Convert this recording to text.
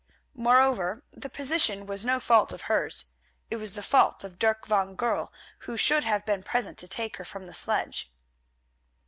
Moreover, the position was no fault of hers; it was the fault of Dirk van Goorl, who should have been present to take her from the sledge.